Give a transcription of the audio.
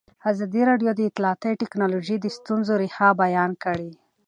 ازادي راډیو د اطلاعاتی تکنالوژي د ستونزو رېښه بیان کړې.